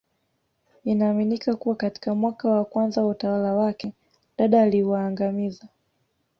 Inaaminika kuwa katika mwaka wa kwanza wa utawala wake Dada aliwaangamiza